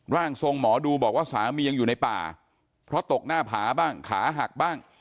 ร่างทรงหมอดูบอกว่าสามียังอยู่ในป่าเพราะตกหน้าผาบ้างขาหักบ้าง